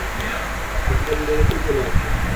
কিছুটা দূরে রেখেই চলে আসব।